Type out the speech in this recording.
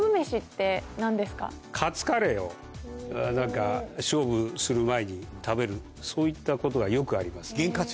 何か勝負する前に食べるそういったことがよくあります。